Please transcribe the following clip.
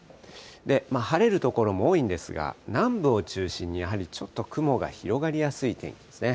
晴れる所も多いんですが、南部を中心にやはりちょっと雲が広がりやすい天気ですね。